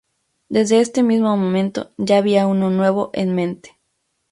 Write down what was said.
Desde este mismo momento ya había uno nuevo en mente.